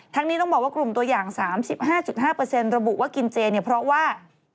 นี้ต้องบอกว่ากลุ่มตัวอย่าง๓๕๕ระบุว่ากินเจเนี่ยเพราะว่า